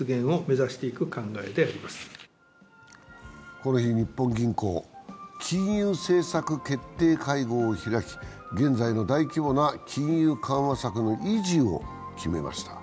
この日、日本銀行、金融政策決定会合を開き、現在の大規模な金融緩和策の維持を決めました。